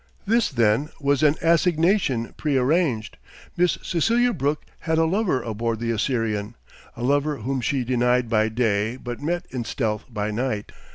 This, then, was an assignation prearranged! Miss Cecelia Brooke had a lover aboard the Assyrian, a lover whom she denied by day but met in stealth by night!